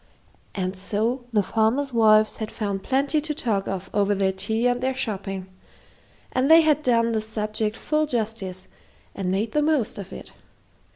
And so the farmers' wives had found plenty to talk of over their tea and their shopping, and they had done the subject full justice and made the most of it.